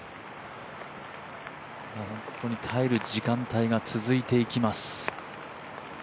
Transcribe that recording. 本当に耐える時間帯が続いていきます。